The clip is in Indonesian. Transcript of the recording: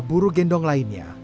buru gendong lainnya